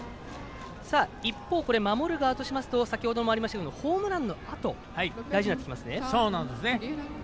一方、守る側としますと先ほどもありましたけれどもホームランのあと大事になってきますね。